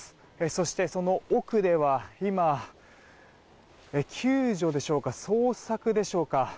そして、その奥では今、救助でしょうか捜索でしょうか。